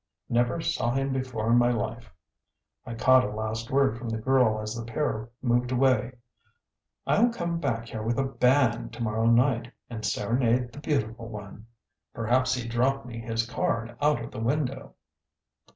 "Never saw him before in my life." I caught a last word from the girl as the pair moved away. "I'll come back here with a BAND to morrow night, and serenade the beautiful one. "Perhaps he'd drop me his card out of the window!"